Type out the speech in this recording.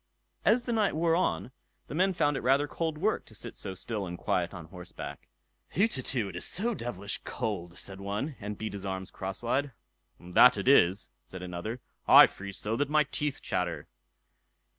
As the night wore on, the men found it rather cold work to sit so still and quiet on horseback. "Hutetu! it is so devilish cold", said one, and beat his arms crosswise. "That it is", said another; "I freeze so, that my teeth chatter."